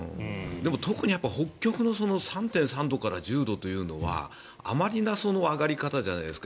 でも特に北極の３．３度から１０度というのはあまりの上がり方じゃないですか。